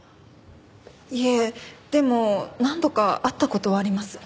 いえでも何度か会った事はあります。